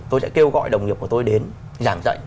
tôi sẽ kêu gọi đồng nghiệp của tôi đến giảng dạy